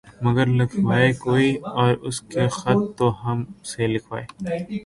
مگر لکھوائے کوئی اس کو خط تو ہم سے لکھوائے